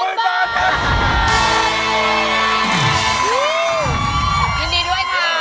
ยินดีด้วยค่ะ